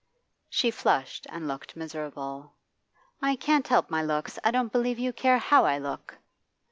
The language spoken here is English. She flushed and looked miserable. 'I can't help my looks. I don't believe you care how I look.